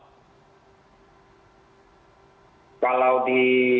hai kalau di